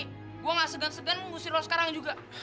kamu nggak segan segan kamu harus ngusir lo sekarang juga